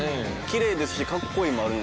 きれいですしかっこいいもある。